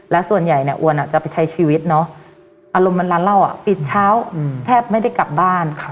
และส่วนใหญ่เนี่ยอ้วนจะไปใช้ชีวิตเนาะอารมณ์มันร้านเหล้าปิดเช้าแทบไม่ได้กลับบ้าน